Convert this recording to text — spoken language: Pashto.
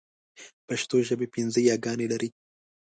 پښتو ژبه پنځه ی ګانې لري.